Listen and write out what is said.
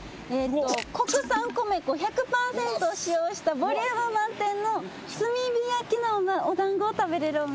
国産米粉１００％を使用したボリューム満点の炭火焼きのお団子を食べれるお店。